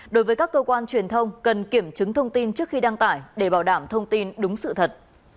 đối với các cơ quan truyền thông cần kiểm chứng thông tin trước khi đăng tải để bảo đảm thông tin đúng sự thật